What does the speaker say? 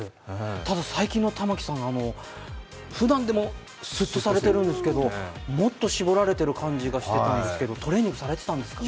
ただ最近の玉木さん、ふだんでもすっとされてるんですけどもっと絞られてる感じがしてたんですがトレーニングしてたんですかね。